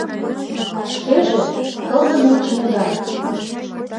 Шкеже — кылдыме чемодан.